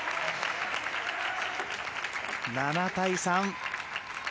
７対３。